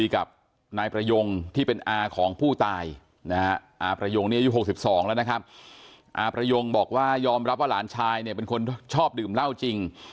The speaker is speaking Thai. คงร่องครอบรับว่าหลานชายเป็นคนชอบดื่มเล่าจริง